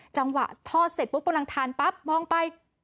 จังหวะทอดเสร็จปุ๊บกำลังทานปั๊บมองไป